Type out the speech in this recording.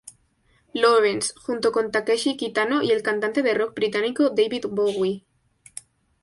Lawrence", junto con Takeshi Kitano y el cantante de rock británico David Bowie.